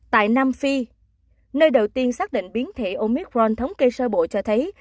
tại nam phi nơi đầu tiên xác định biến thể omicron thống kê sơ bộ cho thấy